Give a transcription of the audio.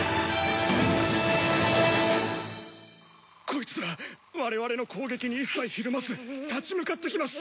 こいつら我々の攻撃に一切ひるまず立ち向かってきます。